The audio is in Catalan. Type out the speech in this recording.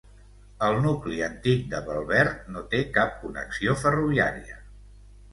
El nucli antic de Velbert no té cap connexió ferroviària.